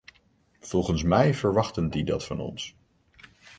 Volgens mij verwachten die dat van ons.